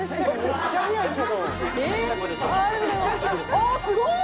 あっすごい！